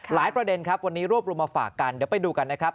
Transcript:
ประเด็นครับวันนี้รวบรวมมาฝากกันเดี๋ยวไปดูกันนะครับ